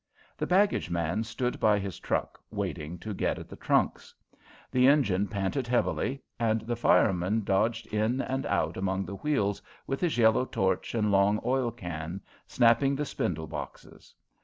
The baggage man stood by his truck, waiting to get at the trunks. The engine panted heavily, and the fireman dodged in and out among the wheels with his yellow torch and long oil can, snapping the spindle boxes.